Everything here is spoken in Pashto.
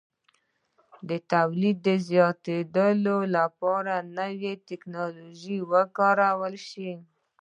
د تولید زیاتوالي لپاره نوې ټکنالوژي وکارول شوه